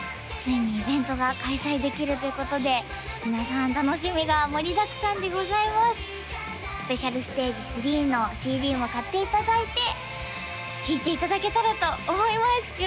ついにイベントが開催できるということで皆さん楽しみが盛りだくさんでございます「ＳＰＳＴＡＧＥ３」のＣＤも買っていただいて聴いていただけたらと思います